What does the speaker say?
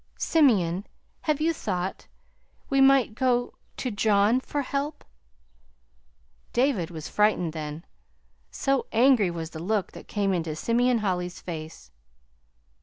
"Simeon, have you thought? We might go to John for help." David was frightened then, so angry was the look that came into Simeon Holly's face.